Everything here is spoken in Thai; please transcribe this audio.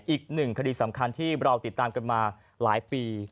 อีกหนึ่งคดีสำคัญที่เราติดตามกันมาหลายปี